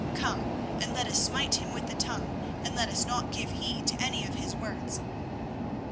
Come, and let us smite him with the tongue, and let us not give heed to any of his words.